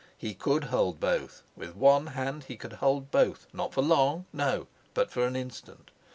He could hold both, with one hand he could hold both: not for long, no, but for an instant.